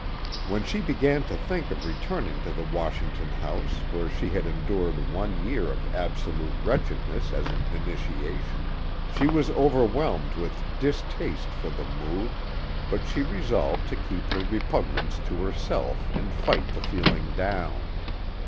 When she began to think of returning to the Washington house where she had endured one year of absolute wretchedness as an initiation, she was overwhelmed with distaste for the move, but she resolved to keep her repugnance to herself, and fight the feeling down.